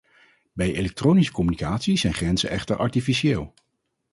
Bij elektronische communicatie zijn grenzen echter artificieel.